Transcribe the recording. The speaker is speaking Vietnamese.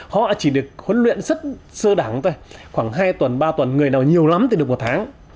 họ chỉ được huấn luyện rất sơ đẳng thôi khoảng hai tuần ba tuần người nào nhiều lắm thì được một tháng